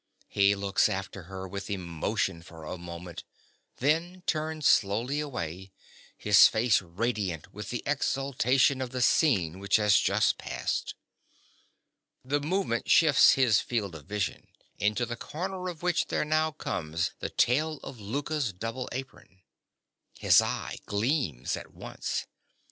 He looks after her with emotion for a moment, then turns slowly away, his face radiant with the exultation of the scene which has just passed. The movement shifts his field of vision, into the corner of which there now comes the tail of Louka's double apron. His eye gleams at once.